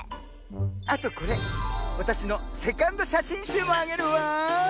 あとこれわたしのセカンドしゃしんしゅうもあげるわ。